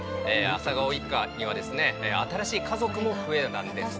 朝顔一家には新しい家族も増えたんです。